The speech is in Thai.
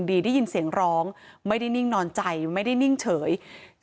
ได้ยินเสียงร้องไม่ได้นิ่งนอนใจไม่ได้นิ่งเฉย